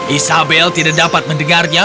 isabel tidak dapat mendengarnya